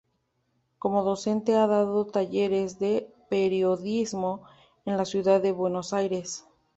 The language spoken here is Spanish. Como docente ha dado talleres de periodismo en la ciudad de Buenos Aires.